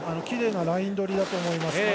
きれいなライン取りだと思います。